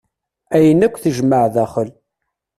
Ayen akk tejmaɛ daxel.